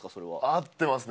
合ってますね。